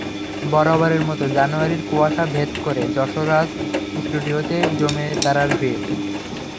বরাবরের মতো জানুয়ারির কুয়াশা ভেদ করে যশরাজ স্টুডিওতে জমে তারার ভিড়।